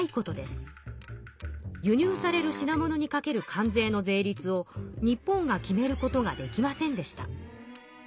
輸入される品物にかける関税の税率を日本が決めることができませんでした。